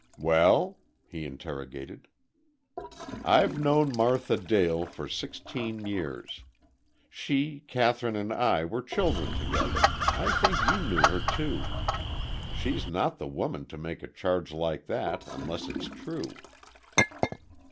"Well?" he interrogated. "I've known Martha Dale for sixteen years. She, Kathryn, and I were children together.... I think you knew her, too.... She's not the woman to make a charge like that unless it's true."